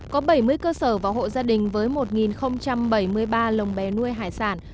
có bảy mươi cơ sở và hộ gia đình với một bảy mươi ba lồng bè nuôi hải sản